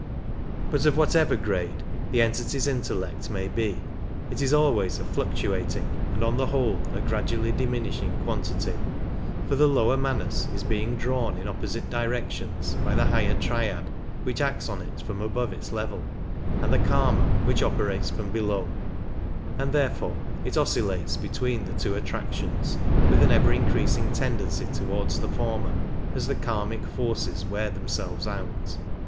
29 But of whatever grade the entity's intellect may be, it is always a fluctuating and on the whole a gradually diminish ing quantity, for the lower Manas is being drawn in opposite directions by the higher Triad which acts on it from above its level and the Kama which operates from below ; and therefore it oscillates between the two attractions, with an ever increasing tendency towards the former as the kamic forces wear themselves out.